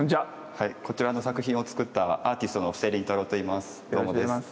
こちらの作品を作ったアーティストの布施琳太郎といいます。